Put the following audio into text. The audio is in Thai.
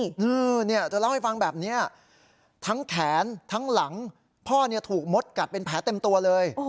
เนี่ยเธอเล่าให้ฟังแบบนี้ทั้งแขนทั้งหลังพ่อเนี่ยถูกมดกัดเป็นแผลเต็มตัวเลย